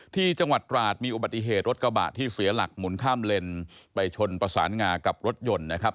ที่จังหวัดตราดมีอุบัติเหตุรถกระบะที่เสียหลักหมุนข้ามเลนไปชนประสานงากับรถยนต์นะครับ